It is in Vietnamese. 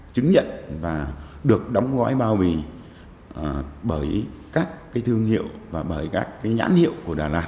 chứng nhận và được đóng gói bao bì bởi các thương hiệu và bởi các nhãn hiệu của đà lạt